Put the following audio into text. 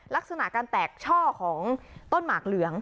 ลักษณะการแตกช่อของต้นหมากเหลือง